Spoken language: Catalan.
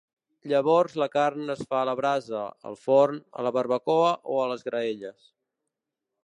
Llavors la carn es fa a la brasa, al forn, a la barbacoa o a les graelles.